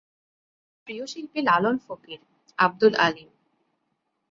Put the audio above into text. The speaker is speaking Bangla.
তার প্রিয় শিল্পী লালন ফকির, আব্দুল আলীম।